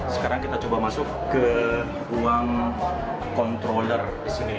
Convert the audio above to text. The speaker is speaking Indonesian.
sekarang kita coba masuk ke ruang controller di sini